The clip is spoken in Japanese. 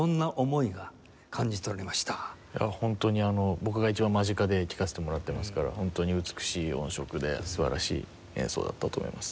いやホントに僕が一番間近で聴かせてもらってますからホントに美しい音色で素晴らしい演奏だったと思います。